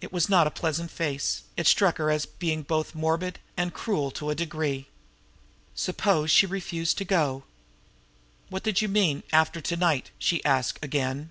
It was not a pleasant face; it struck her as being both morbid and cruel to a degree. Suppose she refused to go? "What did you mean by 'after to night'?" she asked again.